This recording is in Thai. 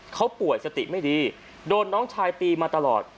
เขาป่วยสติไม่ดีโดนน้องชายตีมาตลอด